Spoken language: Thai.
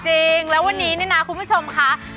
จริงแล้ววันนี้เนี่ยนะคุณผู้ชมค่ะ